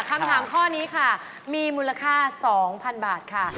คำถามข้อนี้ค่ะมีมูลค่า๒๐๐๐บาทค่ะ